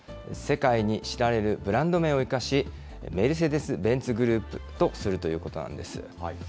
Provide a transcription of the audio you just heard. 世界に知られるブランド名を生かし、メルセデス・ベンツグループとするということなんです。